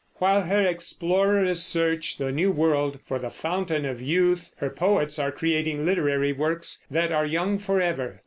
While her explorers search the new world for the Fountain of Youth, her poets are creating literary works that are young forever.